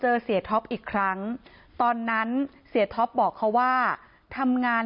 เพราะไม่มีเงินไปกินหรูอยู่สบายแบบสร้างภาพ